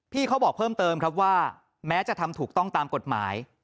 เขาบอกเพิ่มเติมครับว่าแม้จะทำถูกต้องตามกฎหมาย